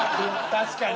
確かに。